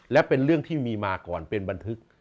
และเป็นเรื่องที่มีมาก่อนเป็นบันทึก